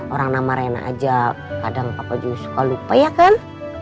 orang nama rena aja kadang papa juga suka lupa ya kan